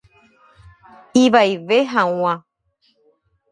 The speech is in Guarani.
Ivaive hag̃ua.